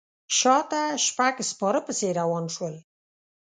شاته شپږ سپاره پسې روان شول.